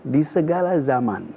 di segala zaman